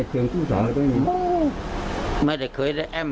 หื้มเหลียวใจนั่น